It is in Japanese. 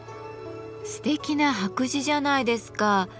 すてきな白磁じゃないですか。